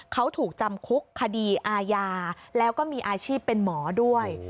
เขาถูกจำคุกคดีอาญาแล้วก็มีอาชีพเป็นหมอด้วย